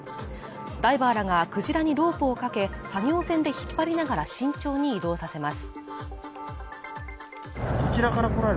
ダイバーらがクジラにロープを掛け作業船で引っ張りながら慎重に移動させます